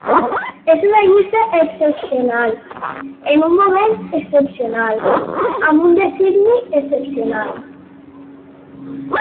És una llista excepcional, en un moment excepcional amb un designi excepcional.